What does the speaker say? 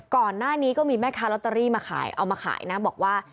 ก่อนหน้านี้ก็มีแม่ค้าลอตเตอรี่มาขายเอามาขายนะบอกว่า